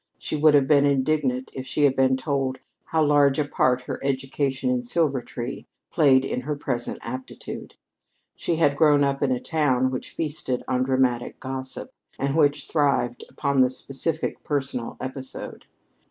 She would have been indignant if she had been told how large a part her education in Silvertree played in her present aptitude. She had grown up in a town which feasted on dramatic gossip, and which thrived upon the specific personal episode.